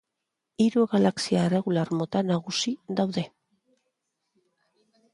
Hiru galaxia irregular mota nagusi daude.